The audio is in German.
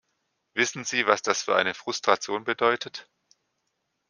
Wissen Sie, was das für eine Frustration bedeutet?